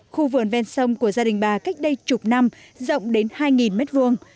khu vườn ven sông của gia đình bà cách đây chục năm rộng đến hai mét vuông